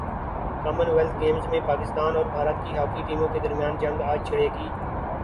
common wealth Games میں پاکستان اور بھارت کی ہاکی ٹیموں کے درمیان جنگ اج چھڑے گی